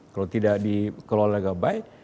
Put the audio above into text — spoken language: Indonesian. kalau tidak dikelola dengan baik